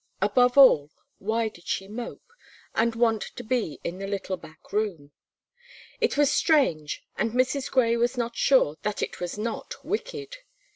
above all, why did she mope, and want to be in the little back room? It was strange, and Mrs. Gray was not sure that it was not wicked.